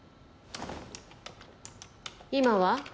今は？